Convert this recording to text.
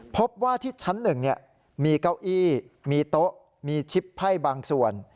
พบว่าที่ชั้น๑มีเก้าอี้มีโต๊ะมีชิปไพ่บางส่วน